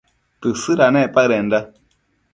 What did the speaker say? Tësëdanec paëdenda